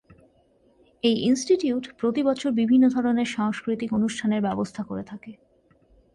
এই ইনস্টিটিউট প্রতি বছর বিভিন্ন ধরনের সাংস্কৃতিক অনুষ্ঠানের ব্যবস্থা করে থাকে।